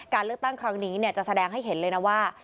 การเลือกตั้งครั้งนี้จะแสดงให้เห็นเลยนะว่า